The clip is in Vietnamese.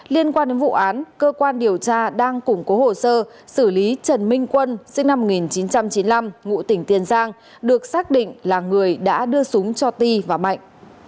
liên quan đến vụ án cơ quan điều tra đang củng cố hồ sơ xử lý trần minh quân sinh năm một nghìn chín trăm chín mươi năm ngụ tỉnh tiền giang được xác định là người đã đưa súng cho ti và mạnh